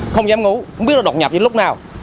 không dám ngủ không biết nó đột nhập đến lúc nào